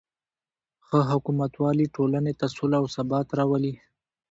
ښه حکومتولي ټولنې ته سوله او ثبات راولي.